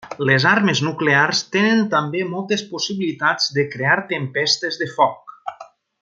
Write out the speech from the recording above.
Les armes nuclears tenen també moltes possibilitats de crear tempestes de foc.